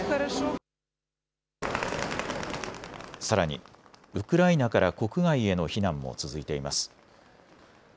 さらにウクライナから国外への避難も続いています。